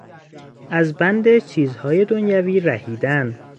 از بند چیزهای دنیوی رهیدن